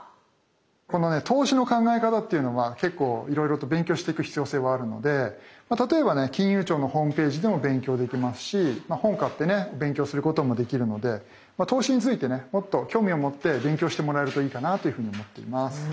この投資の考え方っていうのは結構いろいろと勉強していく必要性はあるので例えばね金融庁のホームページでも勉強できますし本買ってね勉強することもできるので投資についてねもっと興味を持って勉強してもらえるといいかなというふうに思っています。